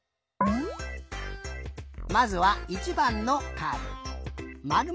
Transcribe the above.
まずは１ばんのカード。